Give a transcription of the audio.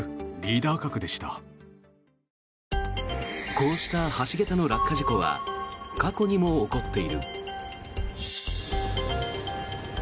こうした橋桁の落下事故は過去にも起こっている。